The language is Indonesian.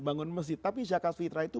bangun masjid tapi zakat fitrah itu